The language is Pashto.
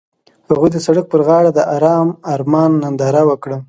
هغوی د سړک پر غاړه د آرام آرمان ننداره وکړه.